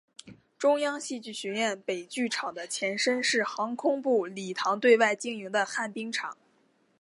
中央戏剧学院北剧场的前身是航空部礼堂对外经营的旱冰场。